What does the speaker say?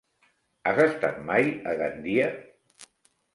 Has estat mai a Gandia?